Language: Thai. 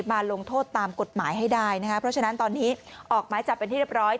มาลงโทษตามกฎหมายให้ได้นะคะเพราะฉะนั้นตอนนี้ออกหมายจับเป็นที่เรียบร้อย